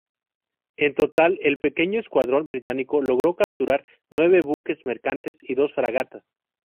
En total, el pequeño escuadrón británico logró capturar nueve buques mercantes y dos fragatas.